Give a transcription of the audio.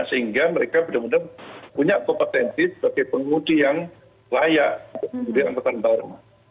sehingga mereka benar benar punya kompetensi sebagai pengemudi yang layak untuk pemudi anggaran baru